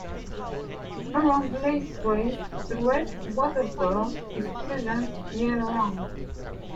Around Lake Grace, the red wattlebird is present year-round.